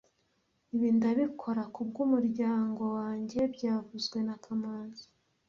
Ibi ndabikora kubwumuryango wanjye byavuzwe na kamanzi